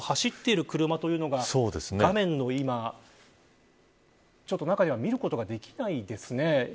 ほとんど走ってる車というのが画面の中には見ることができないですね。